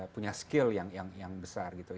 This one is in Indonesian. punya skill yang besar gitu